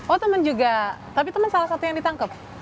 oh teman juga tapi teman salah satu yang ditangkap